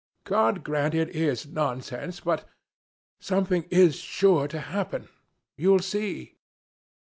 "God grant it is nonsense, but... something is sure to happen! You'll see."